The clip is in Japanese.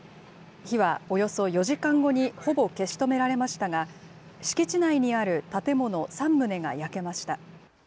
火はおよそ４時間後に、ほぼ消し止められましたが、敷地内にある建物３棟が焼けました。